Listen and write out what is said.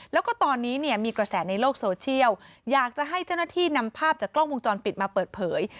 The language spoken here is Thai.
แล้วก็ตอนนี้เนี่ยมีกระแสในโลกโซเชียลอยากจะให้เจ้าหน้าที่นำภาพจากกล้องวงจรปิดมาเปิดเผย